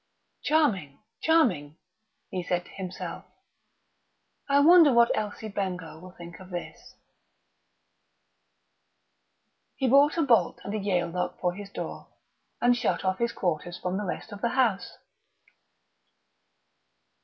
"Charming, charming!" he said to himself. "I wonder what Elsie Bengough will think of this!" He bought a bolt and a Yale lock for his door, and shut off his quarters from the rest of the house.